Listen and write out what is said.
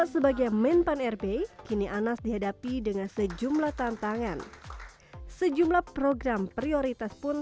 saya tanya kepada al viewed menang foreign